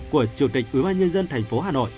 của chủ tịch ubnd tp hà nội